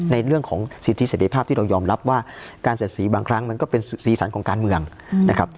ในเรื่องของสิทธิเสร็จภาพที่เรายอมรับว่าการเสียดสีบางครั้งมันก็เป็นสีสันของการเมืองนะครับ